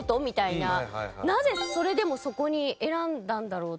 なぜそれでもそこに選んだんだろうっていう。